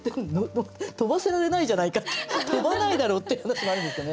飛ばせられないじゃないかって飛ばないだろうっていう話もあるんですよね。